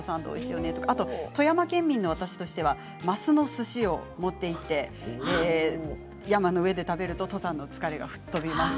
富山県民の私としてはマスのすしを持っていって山で食べると登山の疲れが吹き飛びます。